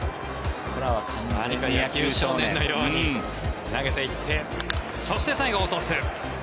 何か野球少年のように投げていってそして最後落とす。